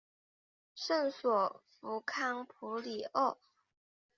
圣索弗康普里厄。